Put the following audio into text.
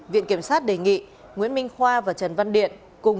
viện kiểm sát đề nghị nguyễn minh khoa và trần văn điện cùng